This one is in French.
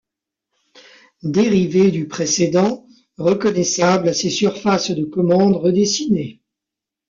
Dérivé du précédent, reconnaissable à ses surfaces de commande redessinées.